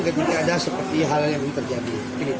jadi tidak ada seperti hal hal yang terjadi